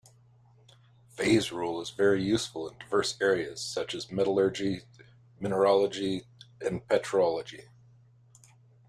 Phase rule is very useful in diverse areas, such as metallurgy, mineralogy, and petrology.